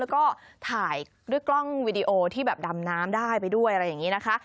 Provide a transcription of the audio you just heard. แล้วก็ถ่ายด้วยกล้องวีดีโอที่แบบดำน้ำได้ไปด้วยอะไรอย่างนี้นะคะ